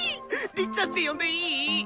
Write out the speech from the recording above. りっちゃんって呼んでいい？